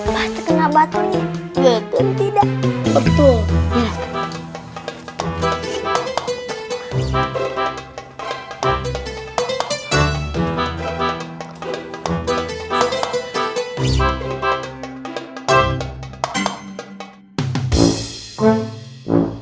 pasti kena batunya